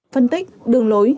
phân tích đường lối